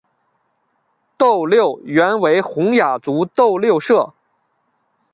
斗六原为洪雅族斗六社。